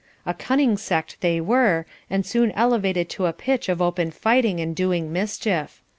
A cunning sect they were, and soon elevated to a pitch of open fighting and doing mischief.